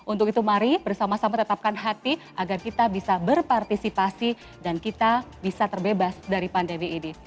untuk itu mari bersama sama tetapkan hati agar kita bisa berpartisipasi dan kita bisa terbebas dari pandemi ini